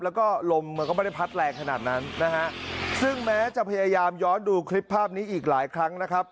แล้วก็ลมมันก็ไม่ได้พัดแรงขนาดนั้นนะฮะซึ่งแม้จะพยายามย้อนดูคลิปภาพนี้อีกหลายครั้งนะครับ